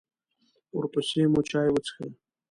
ورپسې مو چای وڅښه.